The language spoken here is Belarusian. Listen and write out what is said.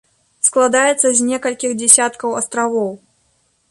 Складаецца з некалькіх дзесяткаў астравоў.